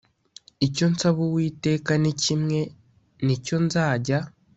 Icyo nsaba Uwiteka ni kimwe ni cyo nzajya